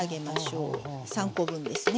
３コ分ですね。